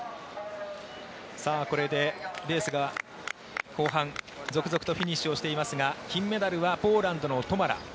これでレースが後半、続々とフィニッシュをしていますが金メダルはポーランドのトマラ。